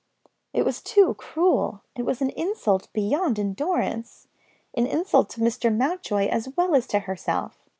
It was too cruel; it was an insult beyond endurance, an insult to Mr. Mountjoy as well as to herself.